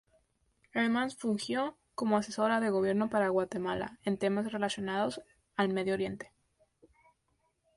Además fungió como asesora de gobierno para Guatemala en temas relacionados al Medio Oriente.